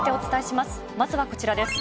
まずはこちらです。